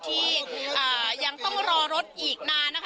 ที่ยังต้องรอรถอีกนานนะคะ